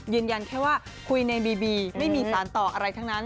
ยืนยันแค่ว่าคุยในบีบีไม่มีสารต่ออะไรทั้งนั้น